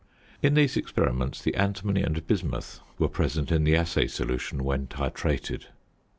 In these experiments the antimony and bismuth were present in the assay solution when titrated.